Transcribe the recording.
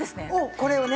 これをね？